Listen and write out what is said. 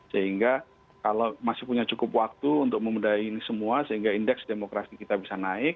sehingga kalau masih punya cukup waktu untuk memudahkan semua sehingga indeks demokrasi kita bisa naik